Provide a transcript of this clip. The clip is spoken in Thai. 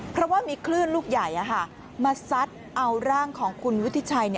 เพราะว่ามีคลื่นลูกใหญ่มาซัดเอาร่างของคุณวุฒิชัย